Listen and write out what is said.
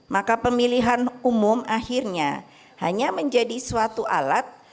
maka pemilihan umum akhirnya hanya menjadi suatu alat